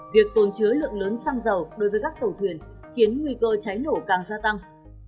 việc tồn chứa lượng lớn xăng dầu đối với các tàu thuyền khiến nguy cơ cháy nổ càng gia tăng